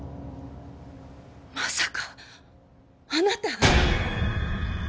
まさかあなた。